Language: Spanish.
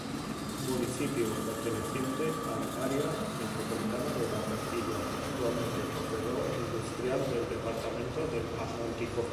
Municipio perteneciente al Área metropolitana de Barranquilla, actualmente Corredor Industrial del Departamento del Atlántico.